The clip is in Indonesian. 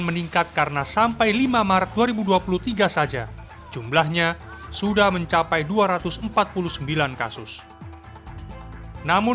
meningkat karena sampai lima maret dua ribu dua puluh tiga saja jumlahnya sudah mencapai dua ratus empat puluh sembilan kasus namun